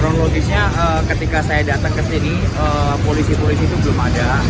oh ya kondisinya ketika saya datang ke sini polisi polisi itu belum ada